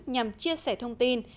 nhằm chia sẻ thông tin